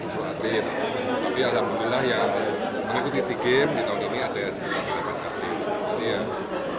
tapi alhamdulillah yang mengikuti sea games di tahun ini ada sekitar delapan atlet